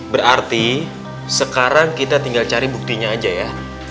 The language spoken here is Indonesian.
berarti sekarang kita tinggal cari buktinya aja ya